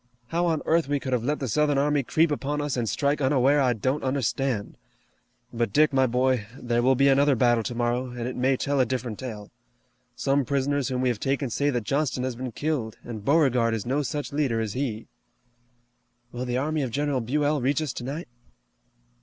How on earth we could have let the Southern army creep upon us and strike unaware I don't understand. But Dick, my boy, there will be another battle tomorrow, and it may tell a different tale. Some prisoners whom we have taken say that Johnston has been killed, and Beauregard is no such leader as he." "Will the army of General Buell reach us tonight?"